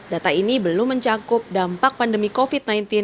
data ini belum mencakup dampak pandemi covid sembilan belas